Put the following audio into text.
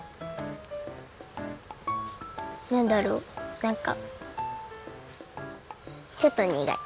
なんだろうなんかちょっとにがい。